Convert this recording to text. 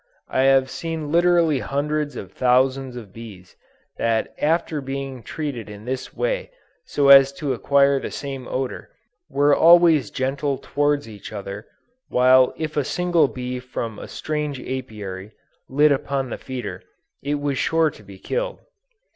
I have seen literally hundreds of thousands of bees that after being treated in this way so as to acquire the same odor, were always gentle towards each other, while if a single bee from a strange Apiary, lit upon the feeder, it was sure to be killed.